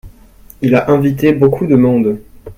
Il a invité beaucoup de monde.